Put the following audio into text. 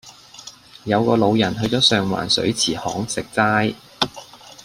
有個老人去左上環水池巷食齋